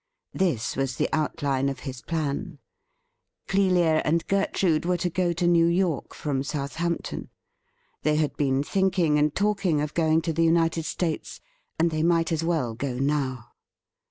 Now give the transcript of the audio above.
This was the out line of his plan : Clelia and Gertrude were to go to New York from Southampton; they had been thinking and talking of going to the United States, and they might as well go now.